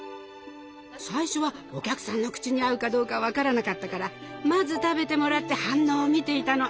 最初はお客さんの口に合うかどうか分からなかったからまず食べてもらって反応を見ていたの。